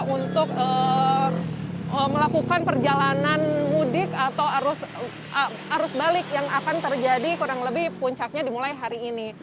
untuk melakukan perjalanan mudik atau arus balik yang akan terjadi kurang lebih puncaknya dimulai hari ini